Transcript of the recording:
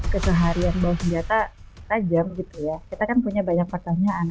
keseharian membawa senjata tajam kita kan punya banyak pertanyaan